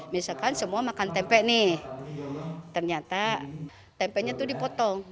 misalkan semua makan tempe nih ternyata tempenya itu dipotong